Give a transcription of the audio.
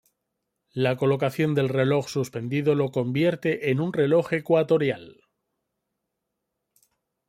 La colocación del reloj suspendido lo convierte en un reloj ecuatorial.